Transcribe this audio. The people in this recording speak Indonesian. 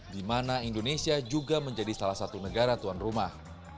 di mana indonesia juga menjadi salah satu negara tuan rumah